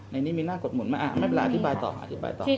ในนี้มีหน้ากดหนุนมาไม่เป็นไรอธิบายต่ออธิบายต่อ